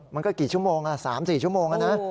มันก็กี่ชั่วโมงสามสี่ชั่วโมงนะ